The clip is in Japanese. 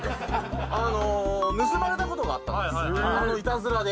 盗まれた事があったんですいたずらで。